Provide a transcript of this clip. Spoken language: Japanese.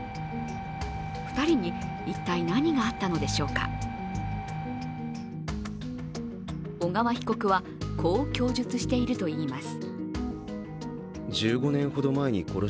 ２人に一体何があったのでしょうか小川被告は、こう供述しているといいます。